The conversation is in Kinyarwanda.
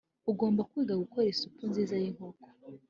ugomba kwiga gukora isupu nziza yinkoko.